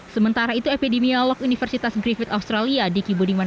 sementara itu epidemiolog universitas griffith australia diki budiman